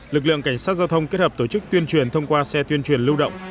lực lượng cảnh sát giao thông kết hợp tổ chức tuyên truyền thông qua xe tuyên truyền lưu động